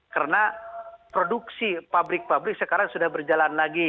karena produksi pabrik pabrik sekarang sudah berjalan lagi